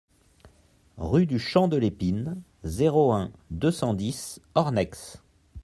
Rue du Champ de l'Épine, zéro un, deux cent dix Ornex